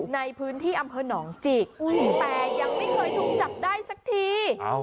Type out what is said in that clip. ในพื้นที่อำเภอหนองจิกแต่ยังไม่เคยถูกจับได้สักที